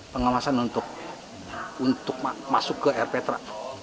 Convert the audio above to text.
pengawasan untuk masuk ke rptra